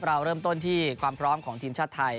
เราเริ่มต้นที่ความพร้อมของทีมชาติไทย